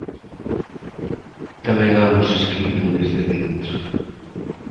Tamén ambos escriben desde dentro.